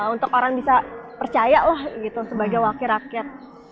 untuk orang bisa percaya lah gitu sebagai wakil rakyat